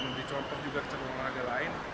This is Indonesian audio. mencoba juga cabang olahraga lain